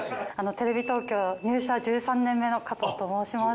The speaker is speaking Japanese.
テレビ東京入社１３年目の加藤と申します。